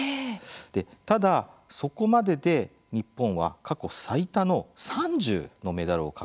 ただ、そこまでで日本は過去最多の３０のメダルを獲得。